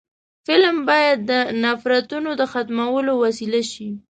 فلم باید د نفرتونو د ختمولو وسیله شي